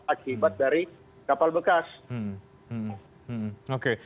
akibat dari kapal bekas